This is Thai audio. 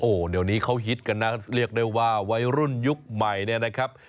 โอ้โหเดี๋ยวนี้เขาฮิตกันนะเรียกได้ว่าวัยรุ่นยุคใหม่เนี่ยนะครับ